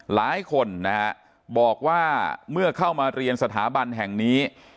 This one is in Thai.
หลายคนนะฮะบอกว่าเมื่อเข้ามาเรียนสถาบันแห่งนี้